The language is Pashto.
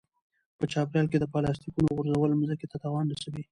په چاپیریال کې د پلاستیکونو غورځول مځکې ته تاوان رسوي.